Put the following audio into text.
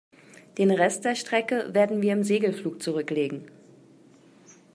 Den Rest der Strecke werden wir im Segelflug zurücklegen.